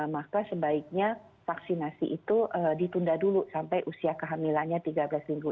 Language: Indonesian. maka sebaiknya vaksinasi itu ditunda dulu sampai usia kehamilannya tiga belas minggu